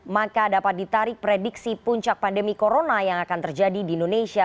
maka dapat ditarik prediksi puncak pandemi corona yang akan terjadi di indonesia